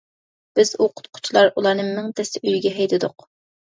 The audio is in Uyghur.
بىز ئوقۇتقۇچىلار ئۇلارنى مىڭ تەستە ئۆيىگە ھەيدىدۇق.